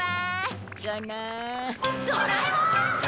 ドラえもん！